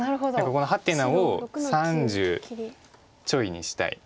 ここのハテナを３０ちょいにしたい白は。